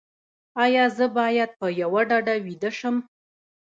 ایا زه باید په یوه ډډه ویده شم؟